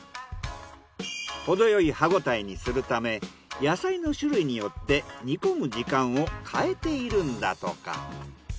ほどよい歯ごたえにするため野菜の種類によって煮込む時間を変えているんだとか。